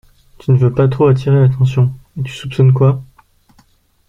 Tu ne veux pas trop attirer l’attention. Et tu soupçonnes quoi ?